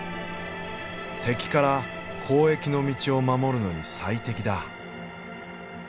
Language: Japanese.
敵から交易の道を守るのに最適だ。